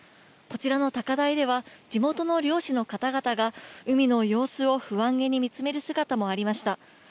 こちらの高台では、地元の漁師の方々が海の様子を不安げに見つめる姿もありました。